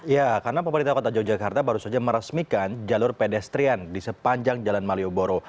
ya karena pemerintah kota yogyakarta baru saja meresmikan jalur pedestrian di sepanjang jalan malioboro